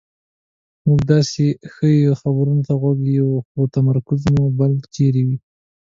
مونږ داسې ښیو چې خبرو ته غوږ یو خو تمرکز مو بل چېرې وي.